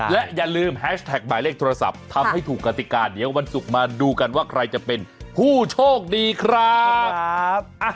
และอย่าลืมแฮชแท็กหมายเลขโทรศัพท์ทำให้ถูกกติกาเดี๋ยววันศุกร์มาดูกันว่าใครจะเป็นผู้โชคดีครับ